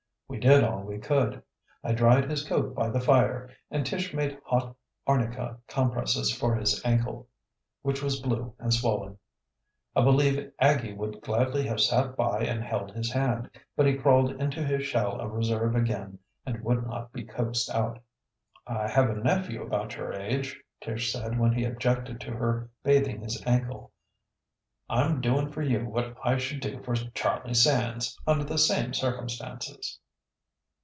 We did all we could. I dried his coat by the fire, and Tish made hot arnica compresses for his ankle, which was blue and swollen. I believe Aggie would gladly have sat by and held his hand, but he had crawled into his shell of reserve again and would not be coaxed out. "I have a nephew about your age," Tish said when he objected to her bathing his ankle. "I'm doing for you what I should do for Charlie Sands under the same circumstances."